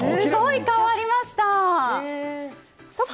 すごい変わりました。